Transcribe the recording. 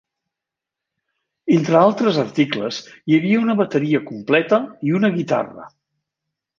Entre altres articles, hi havia una bateria completa i una guitarra.